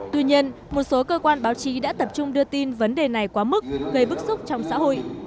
tuy nhiên một số cơ quan báo chí đã tập trung đưa tin vấn đề này quá mức gây bức xúc trong xã hội